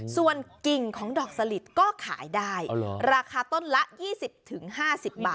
ส่วนกิ่งของดอกสลิดก็ขายได้ราคาต้นละ๒๐๕๐บาท